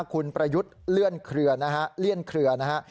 คุณประยุทธ์เลื่อนเคลือนะฮะ